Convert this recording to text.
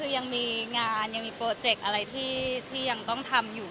คือยังมีงานยังมีโปรเจกต์อะไรที่ยังต้องทำอยู่